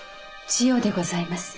千代でございます。